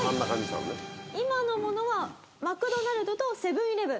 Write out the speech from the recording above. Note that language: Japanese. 今のものはマクドナルドとセブン−イレブン。